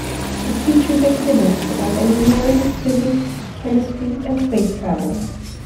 It features exhibits about engineering, physics, chemistry, and space travel.